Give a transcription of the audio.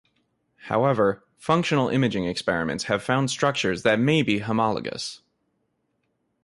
However, functional imaging experiments have found structures that may be homologous.